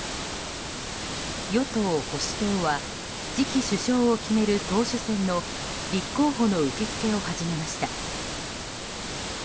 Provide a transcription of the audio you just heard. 与党・保守党は次期首相を決める党首選の立候補の受け付けを始めました。